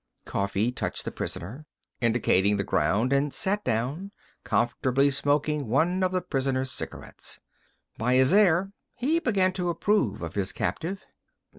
Coffee touched the prisoner, indicating the ground, and sat down, comfortably smoking one of the prisoner's cigarettes. By his air, he began to approve of his captive.